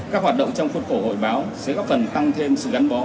các hoạt động trong khu vực hội báo sẽ góp phần tăng thêm sự gắn bó